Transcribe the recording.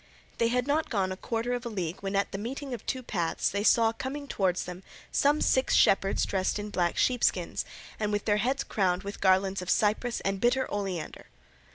They had not gone a quarter of a league when at the meeting of two paths they saw coming towards them some six shepherds dressed in black sheepskins and with their heads crowned with garlands of cypress and bitter oleander.